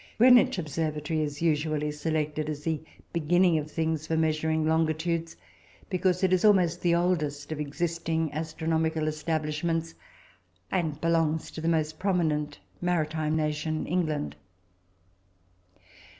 Greenwich observatory is usually selected as the beginning of things for measuring longitudes, because it is almost the oldest of existing astronomical establishments, and belongs to the most prominent maritime nation, England.